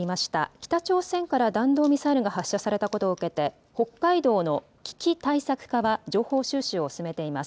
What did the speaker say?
北朝鮮から弾道ミサイルが発射されたことを受けて北海道の危機対策課は情報収集を進めています。